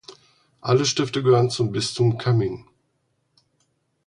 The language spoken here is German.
Alle Stifte gehörten zum Bistum Cammin.